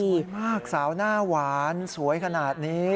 มากสาวหน้าหวานสวยขนาดนี้